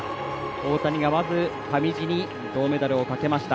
大谷がまず上地に銅メダルをかけました。